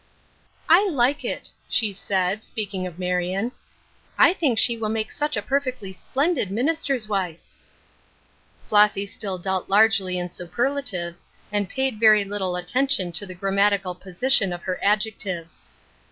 " I like it," she said, speaking of Marion. ''I think she will make such a perfectly splendid minister's wife." Flossy still dealt largely in superlatives, and naid vftrv littlft attention to the orrammatical do A Cross of Lead. 61 sitiou of her adjectives.